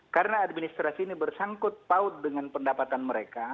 karena administrasi ini bersangkut paut dengan pendapatan mereka